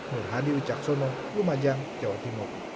nur hadi ucaksono lumajang jawa timur